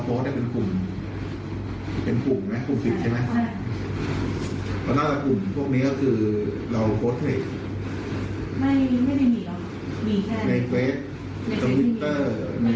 แล้วก็ถามว่าวิธีการที่จะเข้าไปเข้าไปในกลุ่มนี้